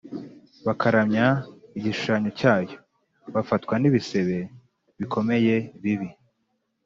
bakaramya igishushanyo cyayo bafatwa n’ibisebe bikomeye bibi.